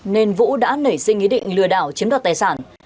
nên vũ đã nảy sinh ý định lừa đảo chiếm đoạt tài sản